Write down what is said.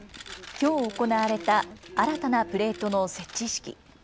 きょう行われた新たなプレートの設置式。